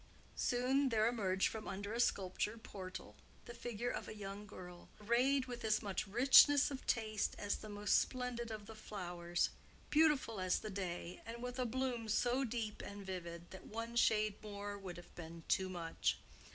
Soon there emerged from under a sculptured portal the figure of a young girl, arrayed with as much richness of taste as the most splendid of the flowers, beautiful as the day, and with a bloom so deep and vivid that one shade more would have been too much.